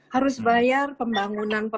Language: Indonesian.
harus bayar pembangunan